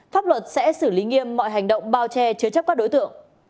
pháp luật sẽ xử lý nghiêm mọi hành động bao che chứa chấp các đối tượng